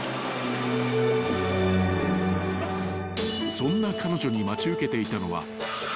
［そんな彼女に待ち受けていたのは］